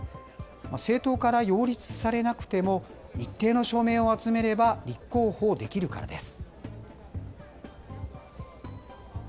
政党から擁立されなくても、一定の署名を集めれば立候補できるからです。